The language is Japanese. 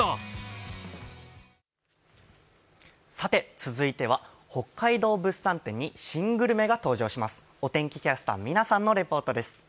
続いては北海道物産展に新グルメが登場します。